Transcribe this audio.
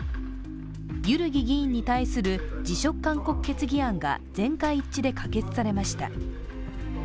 万木議員に対する辞職勧告決議案が全会一致で可決されました。